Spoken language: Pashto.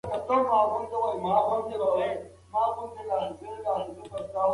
له خپلې ماتې څخه د زده کړې د درس په توګه ګټه واخلئ.